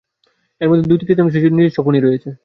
এদের মধ্যে দুই তৃতীয়াংশ শিশুর নিজস্ব ফোনই রয়েছে।